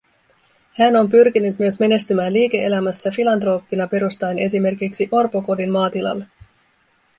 Hän on pyrkinyt myös menestymään liike-elämässä filantrooppina perustaen esimerkiksi orpokodin maatilalle